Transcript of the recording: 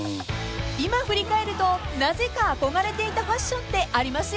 ［今振り返るとなぜか憧れていたファッションってありますよね］